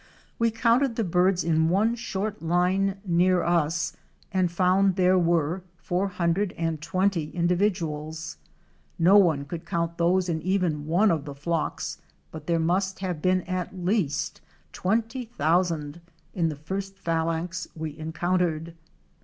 We counted the birds in one short line near us and found there were four hundred and twenty individuals. No one could count those in even one of the flocks but there must have been at least twenty thousand in the first phalanx we encountered.